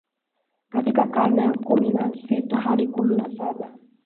katika karne ya kumi na sita hadi kumi na Saba